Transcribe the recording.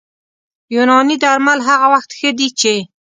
یوناني درمل هغه وخت ښه دي چې